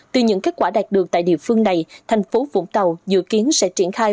từ những kết quả đạt được tại địa phương này thành phố vũng tàu dự kiến sẽ triển khai